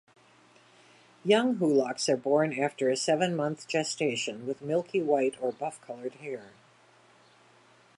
Young hoolocks are born after a seven-month gestation, with milky white or buff-colored hair.